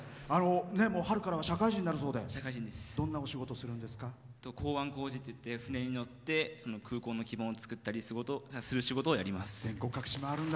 春からは社会人になるそうで港湾工事っていって船に乗って空港の基盤を作ったりする全国各地を回るんだ。